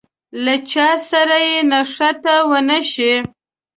له چا سره يې نښته ونه شي.